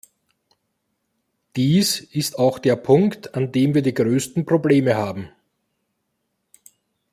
Dies ist auch der Punkt, an dem wir die größten Probleme haben.